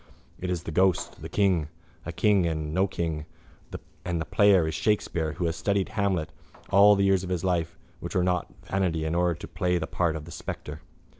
It is the ghost, the king, a king and no king, and the player is Shakespeare who has studied Hamlet all the years of his life which were not vanity in order to play the part of the spectre.